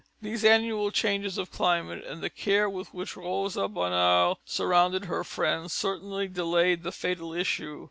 These annual changes of climate and the care with which Rosa Bonheur surrounded her friend certainly delayed the fatal issue.